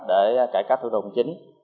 để cải cách thủ tục chính